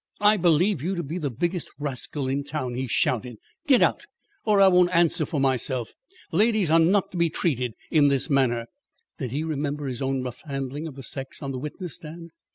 "I believe you to be the biggest rascal in town," he shouted. "Get out, or I won't answer for myself. Ladies are not to be treated in this manner." Did he remember his own rough handling of the sex on the witness stand?